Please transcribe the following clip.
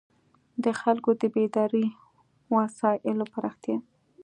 د خلکو د بېدارۍ وسایلو پراختیا.